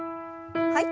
はい。